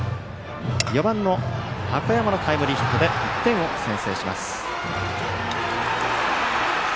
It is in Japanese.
４番の箱山のタイムリーヒットで１点を先制します。